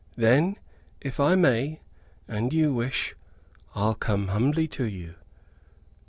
Then, if I may, and you wish, I'll come humbly to you."